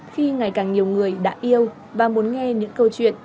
khi ngày càng nhiều người đã yêu và muốn nghe những câu chuyện